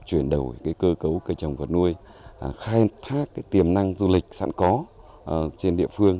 chuyển đầu cơ cấu cây trồng vật nuôi khai thác tiềm năng du lịch sẵn có trên địa phương